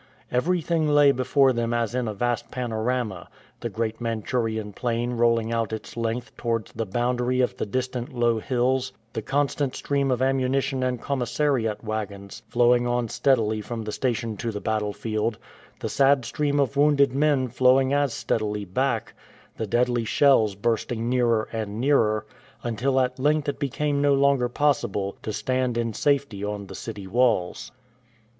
Everything lay before them as in a vast panorama — the great Manchurian plain rolling out its length towards the boundary of the distant low hills, the constant stream of ammunition and com missariat waggons flowing on steadily from the station to the battlefield, the sad stream of wounded men flowing as steadily back, the deadly shells bursting nearer and nearer until at length it became no longer possible to stand in safety on the city walls.